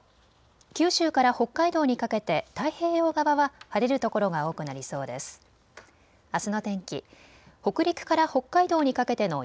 九州から北海道にかけて太平洋側は晴れる所が多くなりそうです。